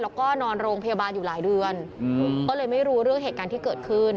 แล้วก็นอนโรงพยาบาลอยู่หลายเดือนก็เลยไม่รู้เรื่องเหตุการณ์ที่เกิดขึ้น